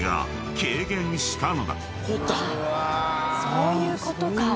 そういうことか。